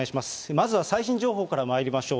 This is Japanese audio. まずは最新情報からまいりましょう。